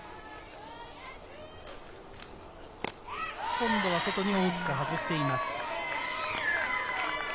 今度は外に大きく外しています。